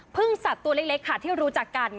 สัตว์ตัวเล็กค่ะที่รู้จักกัน